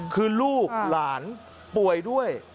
คือลูกหลานป่วยด้วย